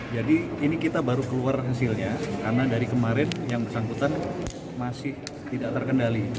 jadi ini kita baru keluar hasilnya karena dari kemarin yang sangkutan masih tidak terkendali